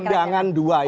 undangan dua ini